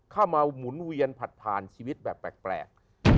เข้ามาหมุนเวียนผัดผ่านชีวิตแบบแปลก